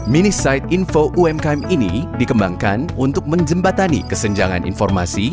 mini side info umkm ini dikembangkan untuk menjembatani kesenjangan informasi